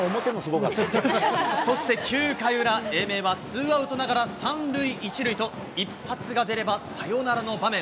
そして９回裏、英明はツーアウトながら３塁１塁と、一発が出ればサヨナラの場面。